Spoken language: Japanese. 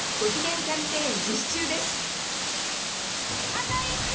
あと１周！